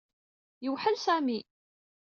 Yewḥel Sami.